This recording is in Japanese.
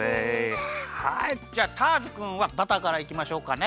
はいじゃあターズくんはバターからいきましょうかね。